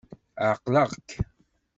Ɛeqleɣ-k.